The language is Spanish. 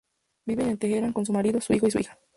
Vive en Teherán con su marido, su hijo y su hija.